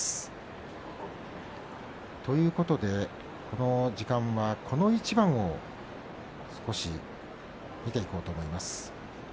この時間はこの一番を少し見ていこうと思います。